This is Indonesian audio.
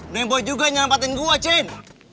lo yang boy juga ngerampatin gue cin